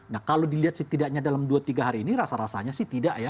nah kalau dilihat setidaknya dalam dua tiga hari ini rasa rasanya sih tidak ya